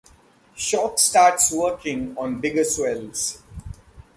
Shock starts working on bigger swells.